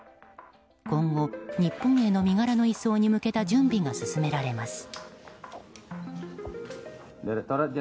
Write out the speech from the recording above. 今後日本への身柄の移送に向けた準備が進められます。